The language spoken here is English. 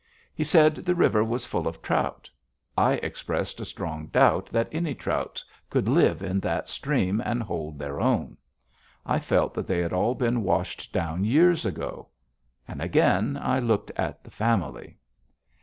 He said the river was full of trout. I expressed a strong doubt that any trout could live in that stream and hold their own. I felt that they had all been washed down years ago. And again I looked at the Family.